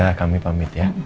ya kami pamit ya